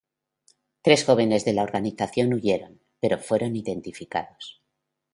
Tres jóvenes de la organización huyeron, pero fueron identificados.